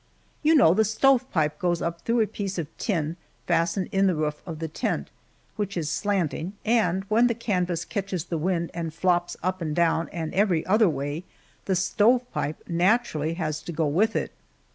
You know the stovepipe goes up through a piece of tin fastened in the roof of the tent, which is slanting, and when the canvas catches the wind and flops up and down and every other way, the stovepipe naturally has to go with it.